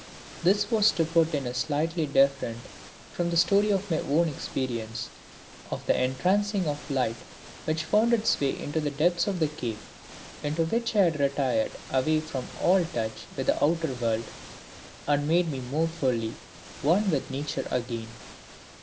This was to put in a slightly different form the story of my own experience, of the entrancing ray of light which found its way into the depths of the cave into which I had retired away from all touch with the outer world, and made me more fully one with Nature again.